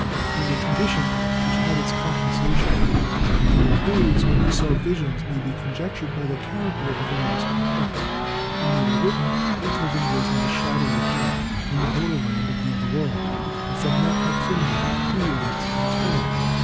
It was a condition which had its compensations. That there were periods when he saw visions may be conjectured by the character of the last quartets. When they were written, Beethoven was in the shadow of death, on the border land of the other world, and from that proximity he relates his experience.